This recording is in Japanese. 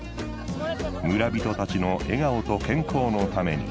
村人たちの笑顔と健康のために。